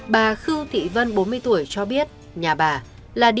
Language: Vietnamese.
bà khư thị vân bốn mươi tuổi cho biết nhà bà